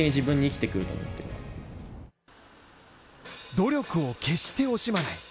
努力を決して惜しまない。